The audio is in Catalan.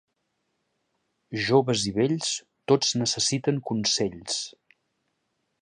Joves i vells, tots necessiten consells.